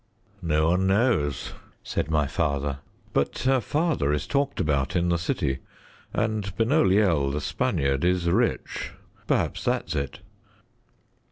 "No one knows," said my father, "but her father is talked about in the city, and Benoliel, the Spaniard, is rich. Perhaps that's it."